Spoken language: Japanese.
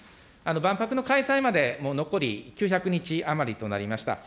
万博の開催まで、もう残り９００日余りとなりました。